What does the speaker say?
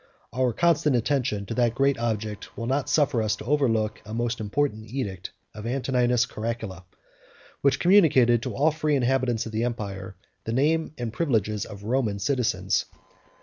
Our constant attention to that great object will not suffer us to overlook a most important edict of Antoninus Caracalla, which communicated to all the free inhabitants of the empire the name and privileges of Roman citizens.